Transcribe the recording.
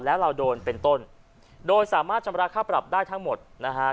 แล้วเราโดนเป็นต้นโดยสามารถชำระค่าปรับได้ทั้งหมดนะฮะ